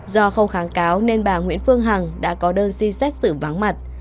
do không kháng cáo nên bà nguyễn phương hằng đã có đơn xin xét xử vắng mặt